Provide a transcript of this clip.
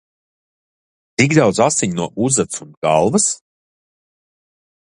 Tik daudz asiņu no uzacs un galvas?